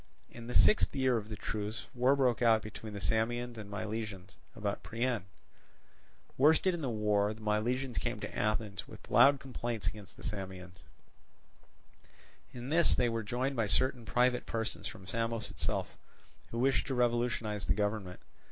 In the sixth year of the truce, war broke out between the Samians and Milesians about Priene. Worsted in the war, the Milesians came to Athens with loud complaints against the Samians. In this they were joined by certain private persons from Samos itself, who wished to revolutionize the government.